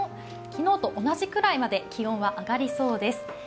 昨日と同じくらいまで気温は上がりそうです。